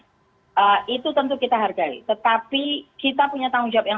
dan para tokoh tokoh yang lain yang bersuara merespon dan selanjutnya